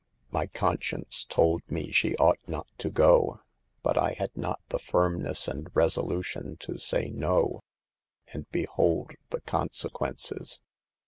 My conscience told me she ought not to go, but 1 had not the firmness and resolution to say no, and behold the con sequences."